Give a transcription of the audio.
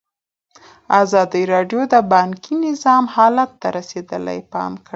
ازادي راډیو د بانکي نظام حالت ته رسېدلي پام کړی.